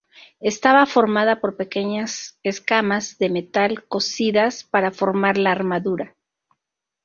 Estaba formada por pequeñas escamas de metal cosidas para formar la armadura.